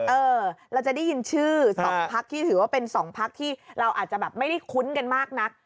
เออเราจะได้ยินชื่อ๒พักที่ถือว่าเป็น๒พักที่เราอาจจะแบบไม่ได้คุ้นกันมากนัก